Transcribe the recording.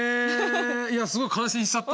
いやすごい感心しちゃったんだけど。